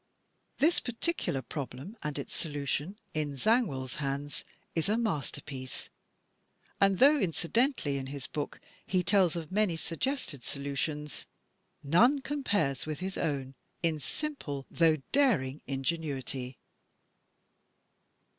This particular problem and its solution, in ZangwilPs hands, is a masterpiece; and though incidentally in his book he tells of many suggested solutions, none compares with his own in simple though daring ingenuity.